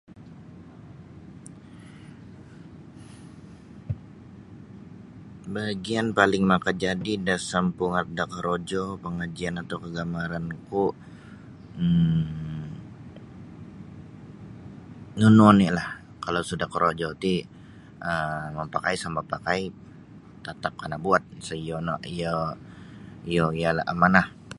Bagian paling makajadi da sampungat da korojo, pangajian atau kagamaran ku um nunu ni la kalau suda korojo ti um mapakai isa mapakai tatap kana buat pasal iyo no iyo ialah amanah.